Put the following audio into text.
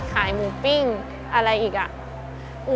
ขายหมูปิ้งอะไรอีกอ่ะ